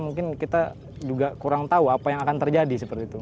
mereka kurang tahu apa yang akan terjadi seperti itu